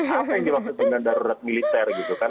apa yang dimaksud dengan darurat militer gitu kan